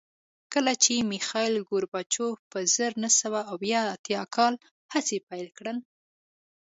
کله چې میخایل ګورباچوف په زر نه سوه اووه اتیا کال هڅې پیل کړې